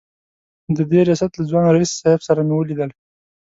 د دې ریاست له ځوان رییس صیب سره مې ولیدل.